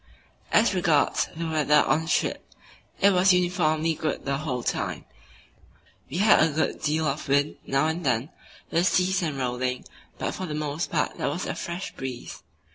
As regards the weather on the trip, it was uniformly good the whole time; we had a good deal of wind now and then, with seas and rolling, but for the most part there was a fresh breeze.